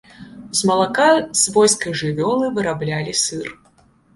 З малака свойскай жывёлы выраблялі сыр.